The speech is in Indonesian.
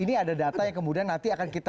ini ada data yang kemudian nanti akan kita